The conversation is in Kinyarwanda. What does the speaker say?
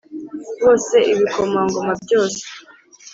Bose ibikomangoma byose